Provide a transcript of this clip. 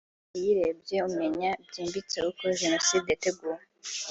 Ati “Uyirebye umenye byimbitse uko Jenoside yateguwe